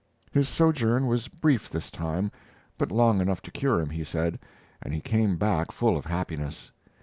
His sojourn was brief this time, but long enough to cure him, he said, and he came back full of happiness.